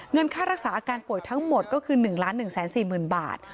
ค่ารักษาอาการป่วยทั้งหมดก็คือ๑๑๔๐๐๐บาท